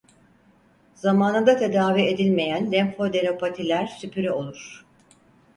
Zamanında tedavi edilmeyen lenfadenopatiler süpüre olur.